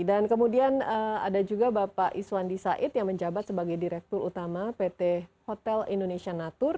dan kemudian ada juga bapak iswandi said yang menjabat sebagai direktur utama pt hotel indonesia natur